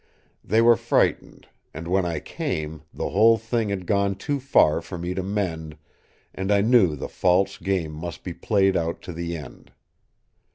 They were frightened, and when I came, the whole thing had gone too far for me to mend, and I knew the false game must be played out to the end.